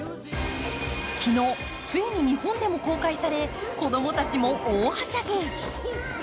昨日、ついに日本でも公開され、子供たちも大はしゃぎ。